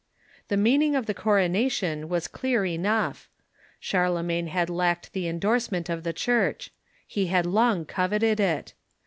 The meaning of the coronation was clear enough, Charlemagne had lacked the endorsement of the Church. He had long coveted it.